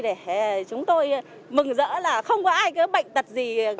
để chúng tôi mừng rỡ là không có ai có bệnh tật gì